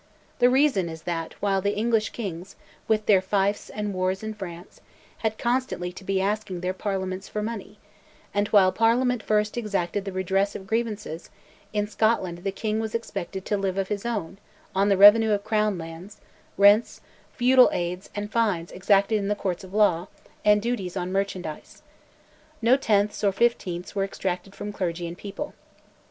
The reason is that while the English kings, with their fiefs and wars in France, had constantly to be asking their parliaments for money, and while Parliament first exacted the redress of grievances, in Scotland the king was expected "to live of his own" on the revenue of crown lands, rents, feudal aids, fines exacted in Courts of Law, and duties on merchandise. No "tenths" or "fifteenths" were exacted from clergy and people.